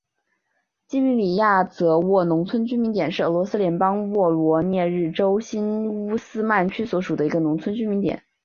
季米里亚泽沃农村居民点是俄罗斯联邦沃罗涅日州新乌斯曼区所属的一个农村居民点。